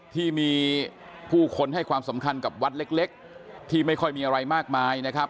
ที่มีผู้คนให้ความสำคัญกับวัดเล็กที่ไม่ค่อยมีอะไรมากมายนะครับ